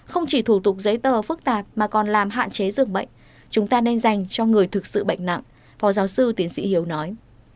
hoạn chế dường bệnh chúng ta nên dành cho người thực sự bệnh nặng phó giáo sư tiến sĩ hiếu nói